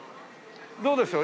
どうでしょう？